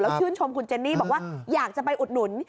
ชื่นชมคุณเจนนี่บอกว่าอยากจะไปอุดหนุน